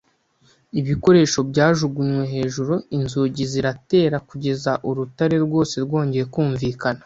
ibikoresho byajugunywe hejuru, inzugi ziratera, kugeza urutare rwose rwongeye kumvikana